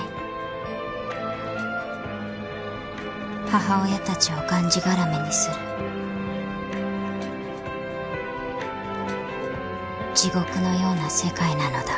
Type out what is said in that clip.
［母親たちをがんじがらめにする地獄のような世界なのだ］